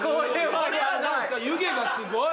湯気がすごい！